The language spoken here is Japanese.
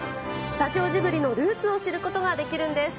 スタジオジブリのルーツを知ることができるんです。